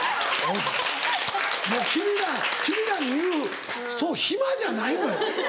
もう君らに言うそう暇じゃないのよ。